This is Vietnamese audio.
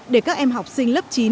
để các em học sinh lớp chín